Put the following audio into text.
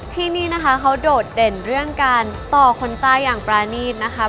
ที่นี่นะคะเขาโดดเด่นเรื่องการต่อคนใต้อย่างปรานีตนะคะ